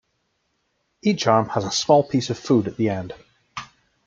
Each arm has a small piece of food at the end.